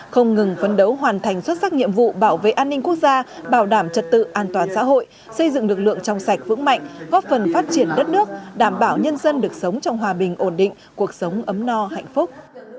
không ngừng phấn đấu hoàn thành xuất sắc nhiệm vụ bảo vệ an ninh quốc gia bảo đảm trật tự an toàn xã hội xây dựng lực lượng trong sạch vững mạnh góp phần phát triển đất nước đảm bảo nhân dân được sống trong hòa bình ổn định cuộc sống ấm no hạnh phúc